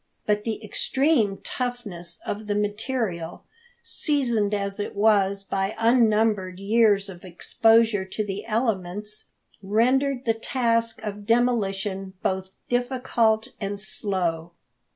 But the extreme toughness of the material, seasoned as it was by unnumbered years of exposure to the elements, rendered the task of demolition both difficult and slow.